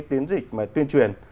tiến dịch tuyên truyền